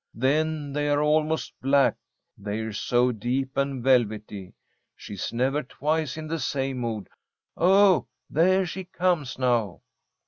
Then they are almost black, they're so deep and velvety. She's never twice in the same mood. Oh! There she comes now."